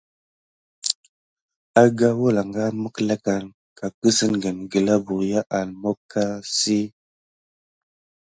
Arga wəlanga mekklakan ka kəssengen gla berya an moka si.